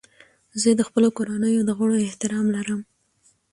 زه د خپلو کورنیو د غړو احترام لرم.